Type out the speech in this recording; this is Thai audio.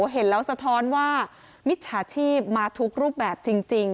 เห็นแล้วสะท้อนว่ามิจฉาชีพมาทุกรูปแบบจริง